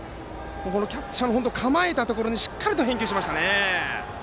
キャッチャーが構えたところにしっかりと返球しましたね。